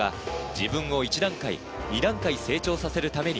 自分を１段階２段階成長させるために